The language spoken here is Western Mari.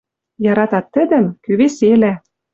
Яратат тӹдӹм, кӱ веселӓ.